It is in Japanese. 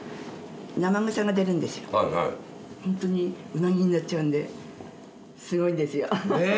ホントにウナギになっちゃうんですごいんですよ。